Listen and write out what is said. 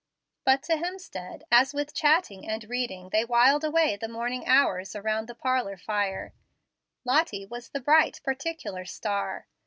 But to Hemstead, as with chatting and reading they whiled away the morning hours around the parlor fire, Lottie was the bright particular star.